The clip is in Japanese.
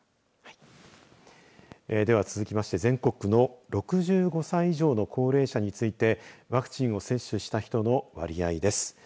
では続きまして、全国の６５歳以上の高齢者についてワクチンを接種した人の割合です。